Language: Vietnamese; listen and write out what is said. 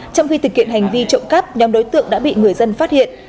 trong khi thực hiện hành vi trộm cắp nhóm đối tượng đã bị người dân phát hiện